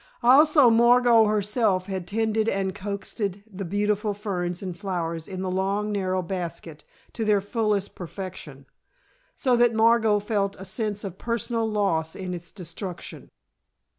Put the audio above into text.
Also, Margot herself had tended and coaxed the beautiful ferns and flowers in the long, narrow basket to their fullest perfection, so that Margot felt a sense of personal loss in its destruction.